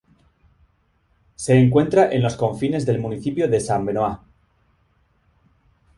Se encuentra en los confines del municipio de Saint-Benoît.